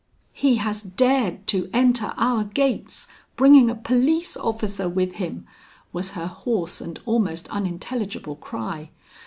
"He has dared to enter our gates, bringing a police officer with him," was her hoarse and almost unintelligible cry.